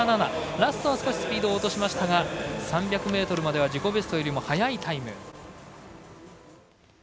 ラストは少しスピードを落としましたが３００ｍまでは自己ベストよりも速いタイム。